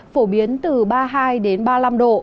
phổ biến từ ba mươi hai ba mươi năm độ